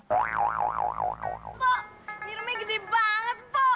po ini rumahnya besar sekali po